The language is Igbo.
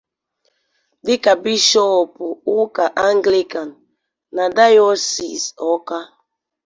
dịka Bishọọpụ ụka Angịlịkan na dayọsiisi Awka